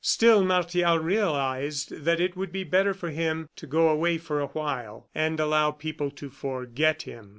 Still Martial realized that it would be better for him to go away for a while, and allow people to forget him.